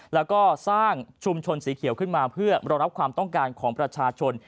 แล้วก็สร้างชุมชนสีเขียวขึ้นมาเพื่อรองรับความต้องการของประชาชน